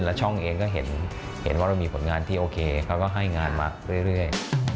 แล้วช่องเองก็เห็นว่าเรามีผลงานที่โอเคเขาก็ให้งานมาเรื่อย